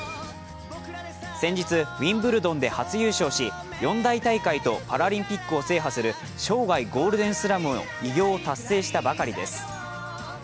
先日、ウィンブルドンで初優勝し四大大会とパラリンピックを制覇する生涯ゴールデンスラムの偉業を達成したばかりです。